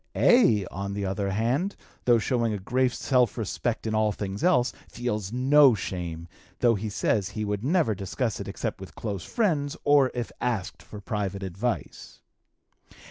A., on the other hand, though showing a great self respect in all things else, feels no shame, though he says he would never discuss it except with close friends or if asked for private advice.